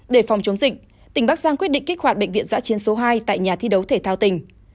để phòng chống dịch tỉnh bắc giang quyết định kích hoạt bệnh viện giã chiến số hai tại nhà thi đấu thể thao tỉnh